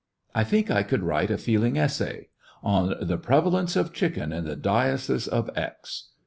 I think I could write a feeling essay "On the Prevalence of Chicken in the Diocese of X